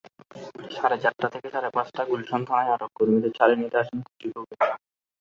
সাড়ে চারটা থেকে সাড়ে পাঁচটাগুলশান থানায় আটক কর্মীদের ছাড়িয়ে নিতে আসেন খুশী কবির।